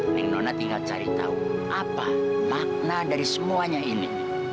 ning nona tinggal cari tahu apa makna dari semuanya ini